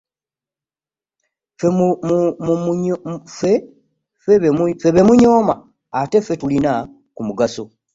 Ffe be munyooma ate ffe tulimu ku mugaso.